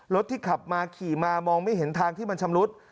รถที่ขับมาขี่มามองไม่เห็นทางที่มันชำรุด